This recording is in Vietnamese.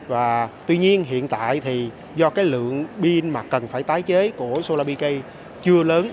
và tuy nhiên hiện tại thì do cái lượng pin mà cần phải tái chế của solarpk chưa lớn